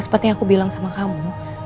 seperti yang aku bilang sama kamu